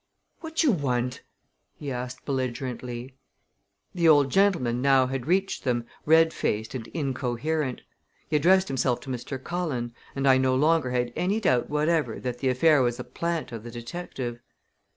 "Wotcher want?" he asked belligerently. The old gentleman had now reached them, red faced and incoherent. He addressed himself to Mr. Cullen, and I no longer had any doubt whatever that the affair was a plant of the detective.